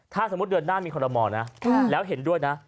ถ้าสมมุติเดือนหน้ามีคอรมอลนะแล้วเห็นด้วยนะ